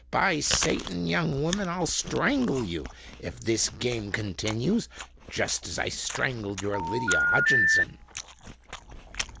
By Satan! young woman, I'll strangle you, if this game continues—just as I strangled your Lydia Hutchinson!"